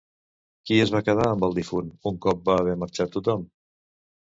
Qui es va quedar amb el difunt, un cop va haver marxat tothom?